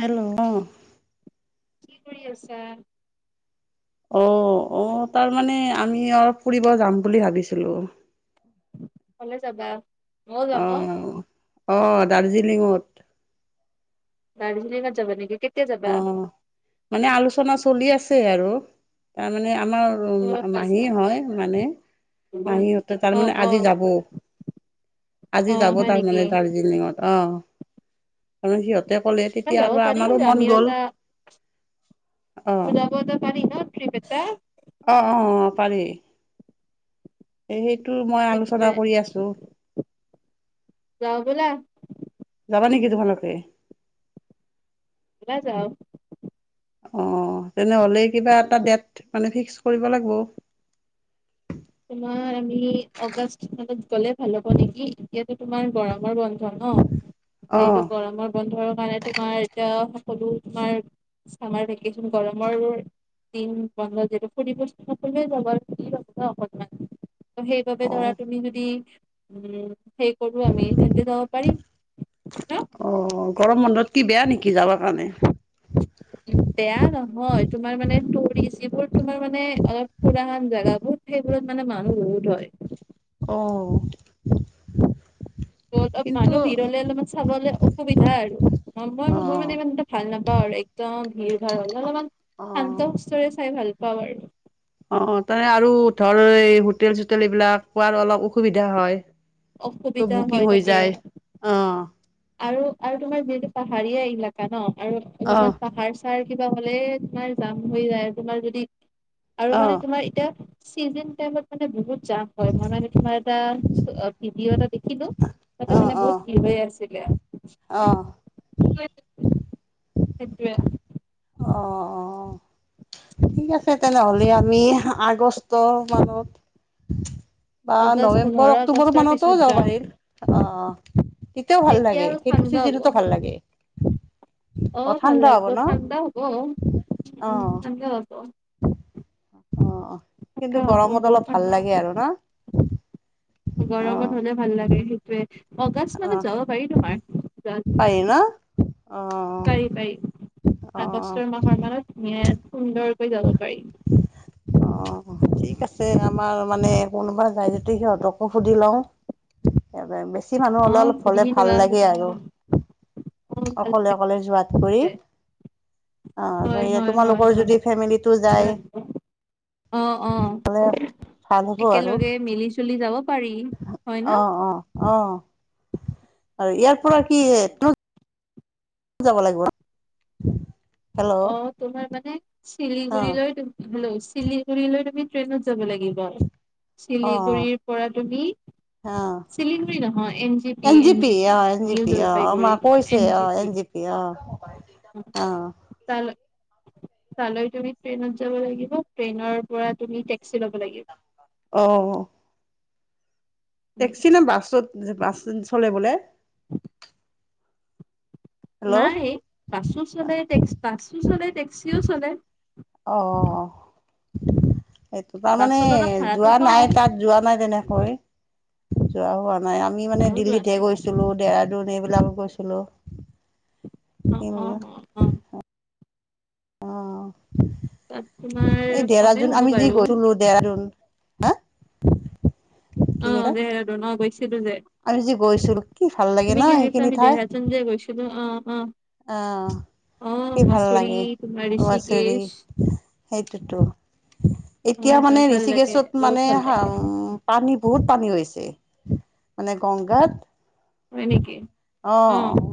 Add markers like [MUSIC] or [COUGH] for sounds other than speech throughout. Hello, অহ। কি কৰি আছা? অ', অ', তাৰ মানে আমি অলপ ফুৰিব যাম বুলি ভাবিছিলোঁ। ক'লে যাবা? ময়ো যাম অ, অহ, অ', দাৰ্জিলিঙত। দাৰ্জিলিঙত যাবা নেকি? কেত অ', মানে আলোচনা চলি আছে আৰু, তাৰমানে আমাৰ অ উম, মাহী হয় মানে মাহীহঁতে তাৰমানে অ আজি যাব। আজি অ যাব হয় নেকি? তাৰমানে দাৰ্জিলিঙত, অহ, [UNINTELLIGIBLE] সিহঁত ক'লে তেতিয়া আৰু আমাৰো মন গ'ল তা অ যাবতো পাৰি ন ট্ৰিপ এটা। অ অ অ', পাৰি। সেইটো মই সেইটোৱে আলোচনা কৰি আছোঁ। যাওঁ ব'লা। যাবা নেকি তোমালোকে এইবাৰ যাওঁ। অ', তেনেহলে কিবা এটা ডেট মানে ফিক্স কৰিব লাগিব। তোমাৰ আমি অগষ্ট মানত গ'লে ভাল হ'ব নেকি? এতিয়াতো তোমাৰ গৰমৰ বন্ধ ন', যিহেতু অ গৰমৰ বন্ধৰ মানে তোমাৰ এতিয়া সকলো তোমাৰ চামাৰ ভেকচন গৰমৰ তিন পন্ধৰ যিটো [UNINTELLIGIBLE] ফুৰিব যাব সেইবাবে অ ধৰা, তুমি যদি উম, সেইয়েই কৰো আমি, তেন্তে যাব পাৰি ন'। অ', গৰম বন্ধত কি বেয়া নেকি যাবৰ কাৰণে? হয়, তোমাৰ মানে টুৰিষ্ট যিবোৰ, তোমাৰ মানে অলপ খুৰাহান জোগাবোৰ সেইবোৰত মানে মানুহ [UNINTELLIGIBLE] হয়। অ'। ত' অলপ কিন্তু মানুহ ভিৰহ'লে অলপমান চাবলৈ অসুবিধা আৰু। মই, অ মই মানে ইমান এটা ভাল নাপ পাওঁ আৰু একদম ভিৰ ভাৰ হ'লে, অলপমান অ শান্ত সুস্থৰে চাই ভাল পাওঁ আৰু। অ তান আৰু ধৰ এই হোটেল চোটেল এইবিলাক পোৱাৰ অলপ অসুবিধা হয় চ অসুবিধা হয় বুকিং হৈ তাকে যায় অ আৰু আৰু তোমাৰ যিহেতু পাহাৰীয়া ইলাকা ন আৰু অ অলপমান পাহাৰ চাৰ কিবা হলে তোমাৰ জাম হৈ যায় তোমাৰ যদি আৰু অ মানে তোমাৰ এতিয়া চিজন টাইমত মানে বহুত জ হয় মই মানে তোমাৰ এটা ভিডিঅ' এটা দেখিলো মতে মানে বহুত কি হৈ আছিলিলে আহ খেত অঁ অঁ ঠিক আছে তেনেহলে আমি আগষ্ট মানত বা অগষ্ট পোন্ধৰ নৱেম্বৰ অক্টোবৰ আগষ্টৰ পিছত মানতও যাব যাম পাৰিল অ তেতিয়াও ভাল তেতিয়া লাগে আৰু ঠাণ্ডা সেইটো ি হ'ব জিলোত ভাল লাগে অ ভাল ঠাণ্ডা হ'ব লাগিব ন ঠাণ্ডা হ'ব অ উম অ ঠ্া অ কিন্তু ঠাণ্ডা হ'ব গৰমত বহুত অলপ ভাল ঠাণ্ডা লাগে হ'ব আৰু না গৰমত হ'লে ভাল লাগে সেইটোয়ে অগষ্ট মানত অ', যাব পাৰিলো পাৰি মাৰ্চ ন? অ', পাৰি পাৰি অ', আগষ্টৰ মাহৰ মানত ধুনীয়া সুন্দৰ যাব পাৰিম অ', ঠিক আছে আমাৰ মানে কোনোবা যায় যদি সিহঁতকো সুধি লও বেছি মানুহ অ অলপ অল সুধি হলে ভাল লোৱা লাগে সুধি আৰু লোৱা অ ভাল অকলে লাগিছে অকলে যোৱাত কৰি হয় অ হয় হয় তোমালোকৰ যদি ফেম তো যায় আহ অ হ'লে ভাল হ'ব আৰু একেলগে মিলি চুলি যাব পাৰি হয় ন অ', অ', অ আৰু ইয়াৰ পৰা কি তোৰ ক যাব লাগিব অ তোমাৰ মানে শিলিগুৰিলৈৈ হ্লো শিলিগুৰিলৈৈ তুমি ট্ৰেইনত যাব লাগিব অ', চিলিগুৰিৰ পৰা তুমি অ'। শিলিগুৰি নহয় N G P N G অ P N G new P অ জলপাইগুৰি আমাক কৈছে এন অ জি পি অ অ ত তালৈ তুমি ট্ৰেইনত যাব লাগিব ট্ৰেইনৰ পৰা তুমি টেক্সি লব লাগিব অ উম, টেক্সি নে বাছত বাছ চলে বোলে [INAUDIBLE] হেল্ল' নাই বাছো চলে্ বাছো চলে টেক্সিও চলে অ এইটো তাৰমানে বাছত অলপ ভাড়াটো যোৱা নাই কম তাত যোৱা নাই তেনেকৈ যোৱা হোৱা নাই আমি মানে ময়ো যোৱা নাই দিল্লীতহে গৈছিলো দেহৰাডুন এইবিলাকো গৈছিলো অ অ অ অ অ তাত তোমাৰ এই কমেই ডেৰাযুোন হ'ব আমি যি বাৰু গৈছিলো দেৰাযুোন হা কি অ কৈছা দেেৰে ন ব ছিলো যে আমি যি গৈছিলোঁ কি ভাল লাগে তুমি ন কিছ সেইখিনি আমি দেহচন যে গৈছিলো অ অ আহ অ কি ভাল মচুৰী লাগে তোমাৰ হচৰি ঋষিকেশ সেইটোতো এতিয়া হয় হয় মানে ভাল লাগে ঋষিিকেশত বহুত মানে ভাল লাগে উ পানী বহুত পানী হৈছে মানে গংগাত হয় নেকি অ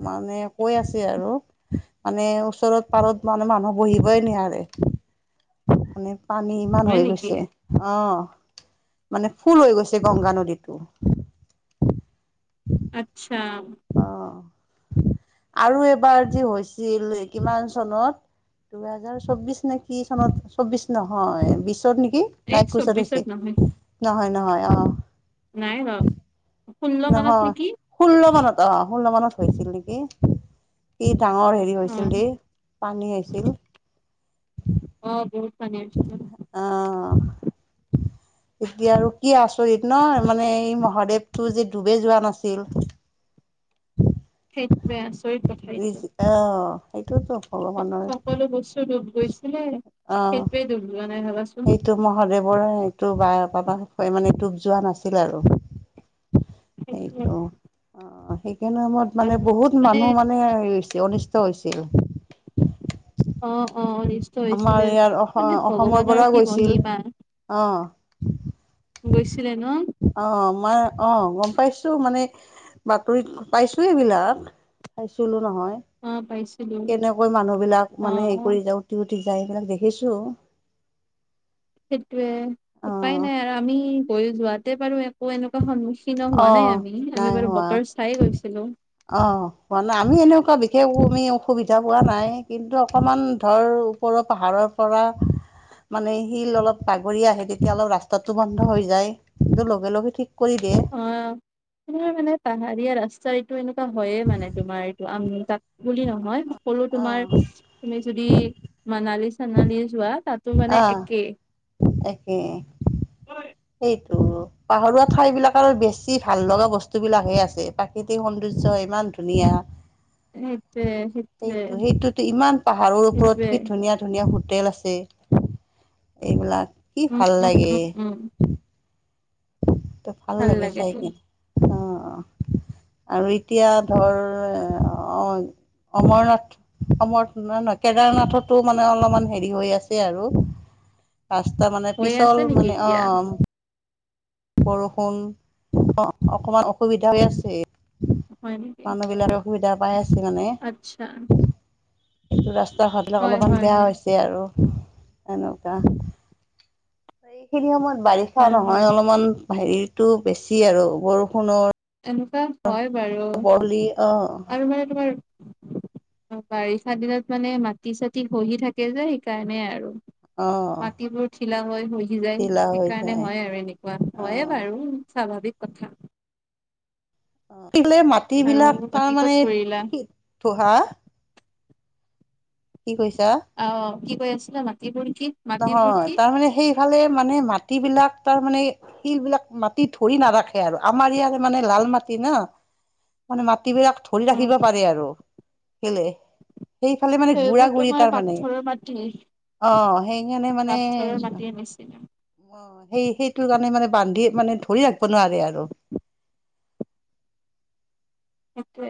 মানে কৈ আছে আৰু মানে ওচৰত পাৰত মানে মানুহ বহিবই নোৱাৰে মানে পানী ইমান হয় হৈ নেকি গৈছে অ মানে ফুল হৈ গৈছে গংগা নদীতটো আচ্ছা অ আৰু এবাৰ যি হৈছিল কিমান চনত দুহেজাৰ চৌবিশ নে কি চনত চৌবিশ নহয় বিশ চৰত নেকি এই নাই কোচত চৌবিশত নহয় হৈছে নহয় নহয় অ নাই ন নহয় ষোল্ল মানত অ ষোল্ল মানত হৈছিল নেকি ডাঙৰ হেৰি অ হৈছিল দেই পানী আহছিল পনাৰজ [INAUDIBLE] এতিয়া আৰু কি আচৰিত ন মানে এই মহাদেৱটো যে ডুবেই যোৱা নাছিল সেইটোৱে আচৰিত কথা এইটো আহ সকলো বস্তু ডুব গৈছিলে অ সেইটোয়ে সেইটো মহাদেৱৰ এইটো বা বাবা মানে টোপ যোৱা নাছিল আৰু থতিে নামত মানে বহুত মানুহ মানেছিল অনিষ্ট হৈছিল অ অ অনিষ্ট আমাৰ হৈছিলে ইয়াৰ অসম মানে অসমৰ পৰা ভগৱানৰ কি গৈছিল মহিমা অ গৈছিলে ন আমাৰ অ গম পাইছো মানে বাতৰিত পাইছো এইবিলাক চাইছিলো নহয় অ পাইছিলো কেনেকৈ মানুহ বিলাক অ মানে স কৰি যা উঠি উঠি যাই এইবিলাক দেখিছো সেইটোয়ে উপায় নাই আৰু আমি গৈ যোৱাতে পাৰো একো এনেকুৱা সন্মুখীন হোৱা অ', নাই আমি নাই আমি বাৰু হোৱা বতৰ চাইে গৈছিলো অ ম নে আমি এনেকুৱা বিশেষ আমি অসুবিধা পোৱা নাই কিন্তু অকণমান ধৰ ওপৰৰ পাহাৰৰ পৰা মানে শিল অলপ বাগৰি আহে তেতিয়া অলপ ৰাস্তাতটো বন্ধ হৈ যায় কিন্তু লগে লগে ঠিক কৰি দিয়ে অ মানে পাহাৰীয়া ৰাস্তাৰ এইটো এনেকুৱা হয়য়ে মানে তোমাৰ এইটো আমি তাত বুলি নহয় সকলো তোমাৰ অ', তুমি যদি মানালী চানালী যোৱা তাতো মানে অ একেই একেই সেইটো ত পাহাৰোৱা ঠাই বিিলাক আৰু বেছি ভাল লগা বস্তু বিলাকহে আছে প্ৰাকৃতিক সৌন্দৰ্যয় ইমান ধুনীয়া উম সেইটো সেইটোতো ইমান পাহাৰৰ সেইটোৱে ওপৰত কি ধুনীয়া ধুনীয়াু হোটেল আছে এইবিলাক কি উম ভাল উম লাগে উম উম ভাল লাগে চাই কিনে অ অ আৰু এতিয়া ধৰ এ অ অমৰনাথ অমৰনাথ ন নহয় কেদাৰনাথতো মানে অলপমান হেৰি হৈ আছে আৰু ৰাস্তা মানে হৈয়ে আছে পিছল নেকি মানে অ এতিয়া বৰষুণ অ অকমান অসুবিধা হৈ আছে হয় নেকি সুবিধা পাইছে আত্ছা এইটো ৰাস্তা ঘাটিলাক অলপমান বেয়া হয় হৈছে আৰু এনেকুৱা এইখিনি সময়ত বাৰিষা হয় হয় নহয় অলপমান হেৰিতো বেছি আৰু বৰষুণৰ এনেকুৱা হয় বাৰু বৰলি অ আৰু মানে তোমাৰ অ বাৰিষা দিনত মানে মাটি চাটি খহি থাকে যে সেইকাৰণে আৰু অ মাটিবোৰ ধিলা হৈ সহি যায় ঢিলা হৈ সেইকাৰণে যায় হয় আৰু এনেকুৱা অ হয়ে বাৰু স্বাভাৱিক কথা তিলে আৰু মাটিবিলাক তাৰ বাকী ক'ত মানে ফুৰিলা ধোহা কি কৈছা? আহ কি কৈ আছিলা মাটি পৰি নহয় তাৰমানে সেইফালেই মানে মাটিবিলাক তাৰ মানে শিল বিলাক মাটি ধৰি নাৰাখে আৰু আমাৰ ইয়াৰ মানে লাল মাটি না মানে মাটিবিলাক ধৰি অ ৰাখিব পাৰে আৰু শিলে। সেইফালে মানে গুৰা সেইবোৰ গুৰি তোমাৰ তাৰ মানে পাথৰৰ মাটি অ। সেইকাৰনে মানে পাথৰৰ মাটিৰ নিচিনা অ সেই সেইটো কাৰণে মানে বান্ধি মানে ধৰি ৰাখব নোৱাৰে আৰু [INAUDIBLE] সেইটোৱে,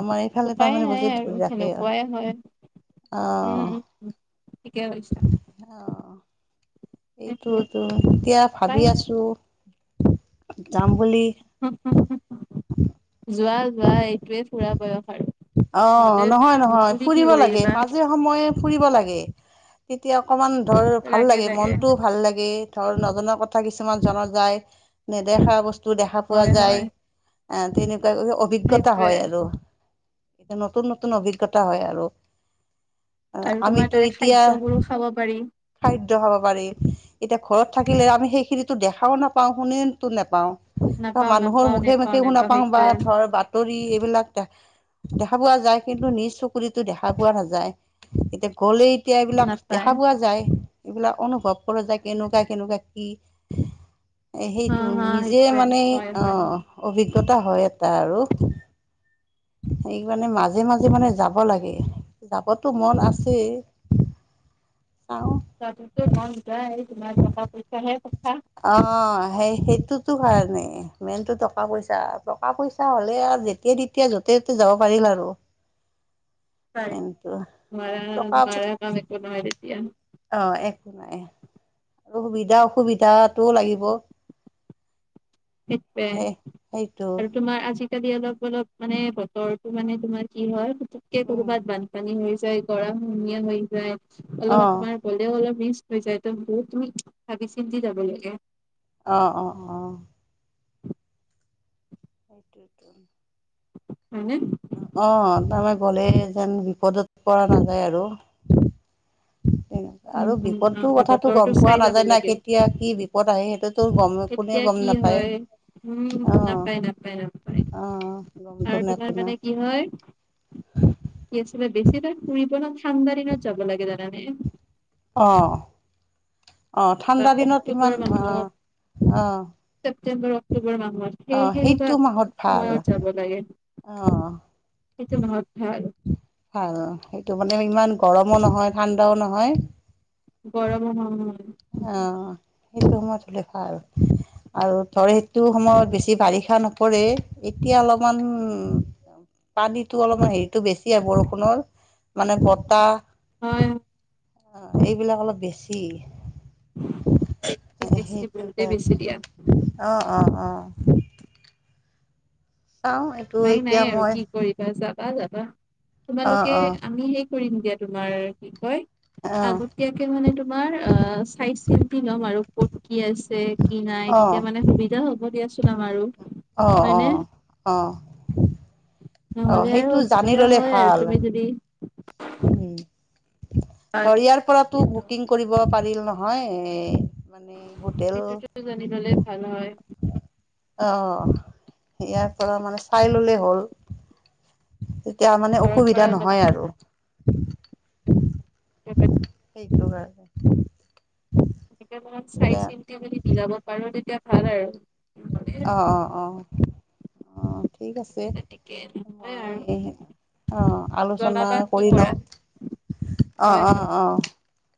আমাৰ এইফালে উপায় তাৰমানে নাই বস্তু ধৰি আৰু ৰাখে অ সেনেকুৱাই হয়। উম উম উম ঠিকে। কৈছা আহ। সেইটোৱে এইটোতো এতিয়া ভাবি পাই আছো যাম বুলি যোৱা যোৱা এইটোৱে ফুৰা বয়স। আৰু অ। নহলে নহয় নহয় নুফুৰি কি ফুৰিব লাগে, কৰিবা মাজে সময়ে ফুৰিব লাগে। তেতিয়া অকমান ধৰ ভাল লাগে মনটোও ভাল লাগে ধৰ নজনা কথ কথা কিছুমান জনা যায় নেদেখা বস্তু দেখা পোৱা হয় যায় হয় এ তেনেকু অভিজ্ঞতা সেইটোয়ে হয় আৰু। নতুন নতুন অভিজ্ঞতা হয় আৰু। আৰু তোমাৰ আমিতো তাৰে এতিয়া খাদ্যবোৰো খাব পাৰি খাদ্য খাব পাৰি, এতিয়া ঘৰত থাকিলে আমি সেইখিনিতো দেখাও নাপাও শুনিটো নেপাওঁ। ত নাপাও মানুহৰ নাপাও মুখে নেপাও মুখে শুনা নেপাও পাওঁ বা সেইটোয়ে ধৰ বাতৰি এইবিলাক দেখা পোৱা যায় কিন্তু নিজ চকুৰেতো দেখা পোৱা নাযায়। এতিয়া গ'লেই তেতিয়া এইবিলাক নাপায় দেখা পোৱা যায় এইবিলাক অনু ভৱ কৰা যায় কেনেকুৱা কেনেকুৱা কি এ হা সেইটো হা নিজে সেইটোয়ে মানে হয় অ হয় অভিজ্ঞ জ্ঞতা হয় এটা আৰু। সেইকাৰণে মাজে মাজে মানে যাব লাগে, যাবতো মন আছেই। [INAUDIBLE] যোৱাটোটো মন যায়, তোমাৰ টকা পইছাটোহে কথা। অ সেই সেইটোতো কাৰণে মেইনটো টকা পইচা, টকা পইচা হ'লে আৰু যেতিয়াই তেতিয়া য'তে ত'তে যাব পাৰিল আৰু। হয় মেইনটো মাৰা টকা মাৰা কাম একো নহয় তেতিয়া। অ একো নাই আৰু সুবিধা অসুবিধাটো লাগিব। শিকে সেই সেইটো আৰু তোমাৰ আজি আজিকালি অলপ অলপ মানে বতৰটো মানে তোমাৰ কি হয় পুুতকে উম, কৰ'বাত বানপানী হৈ গৰম কুহুমীয়া হৈ যায় অলপমান অ' তোমাৰ গ'লেও অলপ ম হৈ যায় তো বহুত তুমি ভাবি চিন্তি যাব লাগে। অ অ অ। [INAUDIBLE] হয়নে? অ তাৰমানে গ'লে যেন বিপদত পৰা নাযায় আৰু উম আৰু উম বিপদটোৰ অ কথাটো বতৰটো গম পোৱা চাই যাব নাযায় না লাগে কেতিয়া কি বিপদ আহে সেইটোত তোৰ গম এতিয়া কোনেও গম কি নাপায়। হয় উম অ নাপায় নাপায় নাপায় আহ আৰু গমটো তোমাৰ [UNINTELLIGIBLE] না মানে কি হয় কি আছিলে বেছি তু অলপ ঠাণ্ডাদিনত যাব লাগে জানানে? অ। আহ বা ঠাণ্ডা দিনত ইমান অক্টোবৰ আহ আহ বৰ অক্টোবৰ মাহত সেই তেনেকুৱা মাহত ভাল সময়ত যাব লাগে। অ এইেটো বহুত ভাল আৰু সেইটো মানে ইমান গৰমো নহয় ঠাণ্ডাও নহয় গৰম হ আহ সেইটো মই চলে খাাল আৰু আৰু ধৰ সেইটো সময়ত বেছি বাৰিষা নপৰে এতিয়া অলপমান পানীতো অলপমান হেৰিতটো বেছিে বৰষুণৰ মানে বতাহ অ অ এইবিলাক অলপ বেছি বেছি সেইটো বহুতেই বেছি কাৰে দিয়া অ অ অঁ মাই নাই এতিয়া আৰু মই কি কৰিবা চা পাবা যাবা অ তোমালোকে অ আমি হেই কৰিম দিয়া তোমাৰ কি কয় অ আগতীয়াকে মানে তোমাৰ অ চাই চি্পি লম আৰু কত কি আছে কি নাই অ তেতিয়া মানে সুবিধা হ'ব দিয়াচোন নাম আৰু অ অ অ অ নহ'লে আৰু সেইটো জানি অসুবিধা ললে হয় আৰু ভাল তুমি যদি উ ভাল ধৰিয়াৰ পৰাতো সেইটো বুকিং কৰিব পাৰিল নহয় মানে হোটেল সেইটোতো জানি ল'লে ভাল হয় আহ ইয়াৰ পৰা মানে চাই ললেই হ'ল এতিয়া মানে ঘৰৰ পৰা অসুবিধা অলপমান নহয় আৰু উ যোগ তেনেকে অলপমান চাই চিন্তি যদি মিলাব পাৰো তেতিয়া ভাল আৰু অ অ অ অ ঠিক আছে তেনেকে নহয় মই আৰু আহ আলোচনা জনাবা কি কৰি কৰা লওঁ অঁ হয় হয়। অঁ অঁ